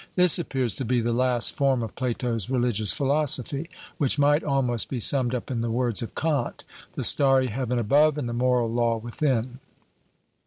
This appears to be the last form of Plato's religious philosophy, which might almost be summed up in the words of Kant, 'the starry heaven above and the moral law within.'